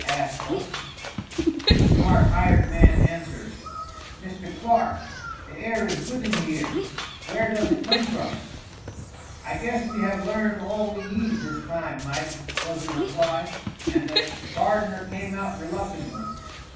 asked Oakes. The smart hired man answered. "Mr. Clark, the air is good in here. Where does it come from?" "I guess we have learned all we need this time, Mike," was the reply, and the gardener came out reluctantly.